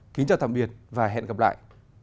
kính chào tạm biệt và hẹn gặp lại